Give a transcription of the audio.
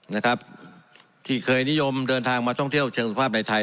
นะครับที่เคยนิยมเดินทางมาท่องเที่ยวเชิงสุขภาพในไทย